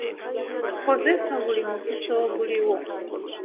Kozesa buli mukisa oguliwo.